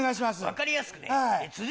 分かりやすくね。